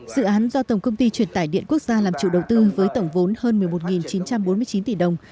dự án do tổng công ty truyền tải điện quốc gia làm chủ đầu tư với tổng vốn hơn một mươi một chín trăm bốn mươi chín tỷ đồng